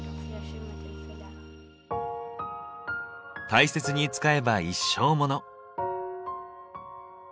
大切に使えば一生モノ。